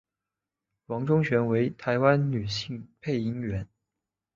王中璇为台湾女性配音员。